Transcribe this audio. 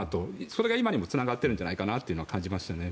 それが今にもつながってるんじゃないかなと感じましたね。